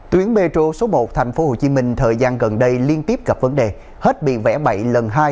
tuyến metro số một tp hcm thời gian gần đây liên tiếp gặp vấn đề hết bị vẽ bậy lần hai